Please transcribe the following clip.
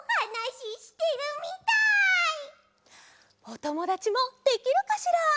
おともだちもできるかしら？